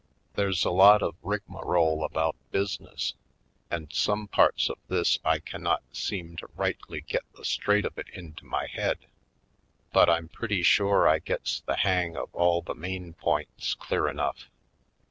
There's a lot of rigmarole about business, and some parts of this I cannot seem to rightly get the straight of it into my head, but I'm pretty sure I gets the hang of all the main points clear enough.